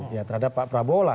ya terhadap pak prabowo lah